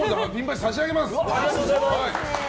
差し上げます。